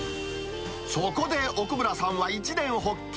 そこで奥村さんは一念発起。